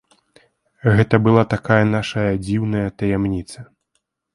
Гэта была такая нашая дзіўная таямніца.